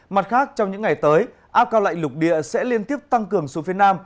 mặt khác trong những ngày tới áp cao lạnh lục địa sẽ liên tiếp tăng cường xuống phía nam